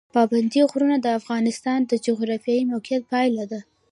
پابندی غرونه د افغانستان د جغرافیایي موقیعت پایله ده.